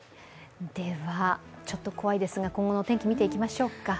ちょっと怖いですが、今後の天気を見ていきましょうか。